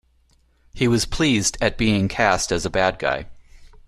He was pleased at being cast as a bad guy.